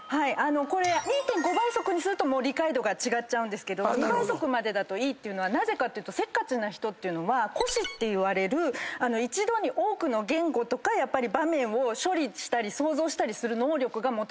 これ２．５倍速にするともう理解度が違っちゃうんですけど２倍速までだといいっていうのはなぜかというとせっかちな人は固視っていわれる一度に多くの言語とか場面を処理したり想像したりする能力がもともとすごい。